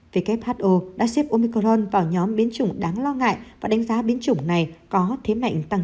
who đã xếp omicron vào nhóm biến chủng đáng lo ngại và đánh giá biến chủng này có thế mạnh tăng